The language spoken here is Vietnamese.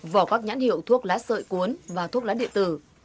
vỏ các nhãn hiệu thuốc lá sợi cuốn và thuốc lá điện tử